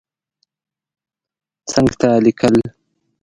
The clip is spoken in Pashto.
څنګ ته لیکل